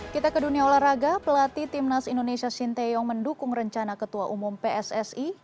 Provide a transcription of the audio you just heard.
kita ke dunia olahraga pelatih timnas indonesia sinteyong mendukung rencana ketua umum pssi